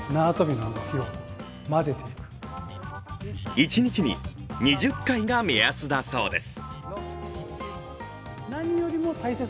一日に２０回が目安だそうです。